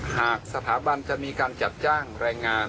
หากสถาบันจะมีการจัดจ้างแรงงาน